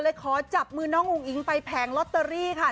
ขอจับมือน้องอุ้งอิงไปแผงลอตเตอรี่ค่ะ